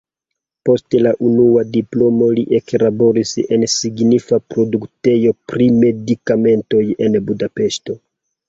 Post la unua diplomo li eklaboris en signifa produktejo pri medikamentoj en Budapeŝto.